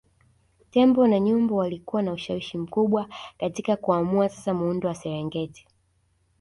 Tembo na nyumbu walikuwa na ushawishi mkubwa katika kuamua sasa muundo wa Serengeti